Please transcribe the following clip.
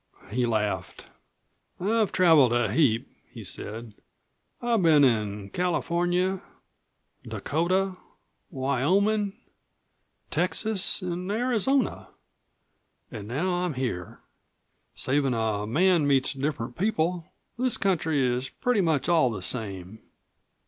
He laughed. "I've traveled a heap," he said. "I've been in California, Dakota, Wyoming, Texas, an' Arizona. An' now I'm here. Savin' a man meets different people, this country is pretty much all the same."